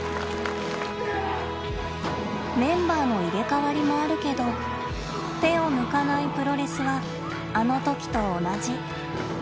メンバーの入れ代わりもあるけど「手を抜かないプロレス」はあのときと同じ。